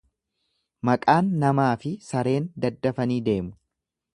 Maqaan namaafi sareen daddafanii deemu.